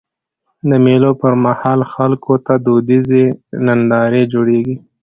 د مېلو پر مهال خلکو ته دودیزي نندارې جوړيږي.